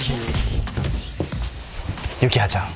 幸葉ちゃん